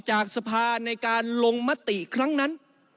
จากสภาในการลงมติครั้งนั้น